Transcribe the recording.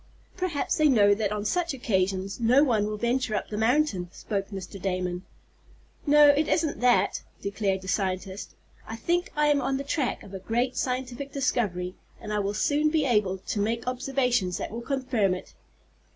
"Perhaps they know that on such occasions no one will venture up the mountain," spoke Mr. Damon. "No, it isn't that," declared the scientist. "I think I am on the track of a great scientific discovery, and I will soon be able to make observations that will confirm it."